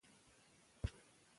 لړزه او د بدن ګرمېدل د نښو څخه دي.